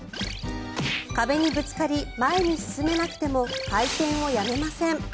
壁にぶつかり前に進めなくても回転をやめません。